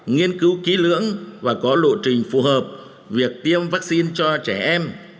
nghiên cứu kỹ lưỡng và có lộ trình phù hợp việc tiêm vaccine cho trẻ em